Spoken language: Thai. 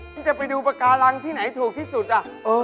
จะไปดูปากการังที่ไหนถูกที่สุดอ่ะ